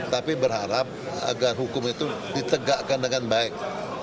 tapi berharap agar hukum itu ditegakkan dengan baik